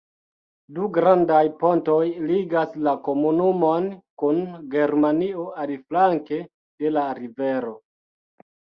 Du grandaj pontoj ligas la komunumon kun Germanio aliflanke de la rivero.